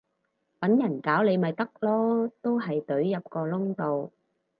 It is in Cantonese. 搵人搞你咪得囉，都係隊入個窿度